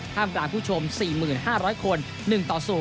กลางผู้ชม๔๕๐๐คน๑ต่อ๐